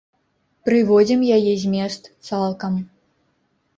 Прыводзім яе змест цалкам.